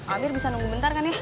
amir bisa nunggu bentar kan ya